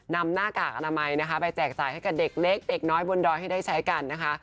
หน้ากากอนามัยนะคะไปแจกจ่ายให้กับเด็กเล็กเด็กน้อยบนดอยให้ได้ใช้กันนะคะ